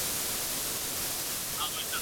ښه خبره زړونه نږدې کوي